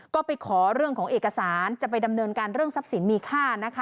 ก็ไปขอเรื่องของเอกสารจะไปดำเนินการเรื่องทรัพย์สินมีค่านะคะ